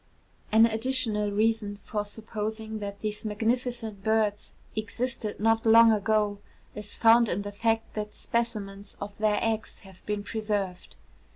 An additional reason for supposing that these magnificent birds existed not long ago is found in the fact that specimens of their eggs have been preserved.